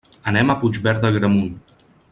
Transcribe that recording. Anem a Puigverd d'Agramunt.